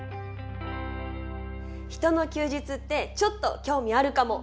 人の休日ってちょっと興味あるかも。